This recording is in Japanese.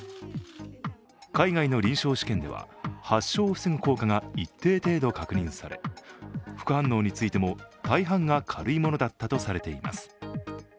海外の臨床試験では、発症を防ぐ効果が一定程度確認され副反応についても大半が軽いものだったとされています。